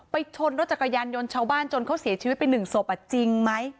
ชนรถจักรยานยนต์ชาวบ้านจนเขาเสียชีวิตไปหนึ่งศพจริงไหม